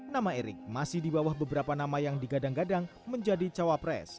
nama erick masih di bawah beberapa nama yang digadang gadang menjadi cawapres